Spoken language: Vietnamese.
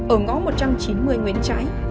ở ngõ một trăm chín mươi nguyễn trãi